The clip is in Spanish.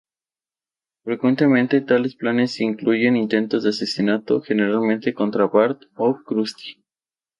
Frecuentemente tales planes incluyen intentos de asesinato, generalmente contra Bart o Krusty.